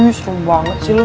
ih serem banget sih lo